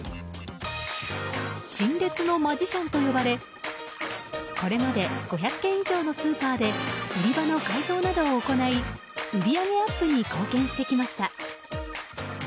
陳列のマジシャンと呼ばれこれまで５００軒以上のスーパーで売り場の改造などを行い売り上げアップに貢献してきました。